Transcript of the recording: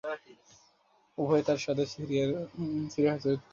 উভয়ে তার সাথে সিরিয়ায় হিজরতও করেন।